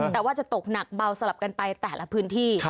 แต่ว่าจะตกหนักเบาสลับกันไปแต่ละพื้นที่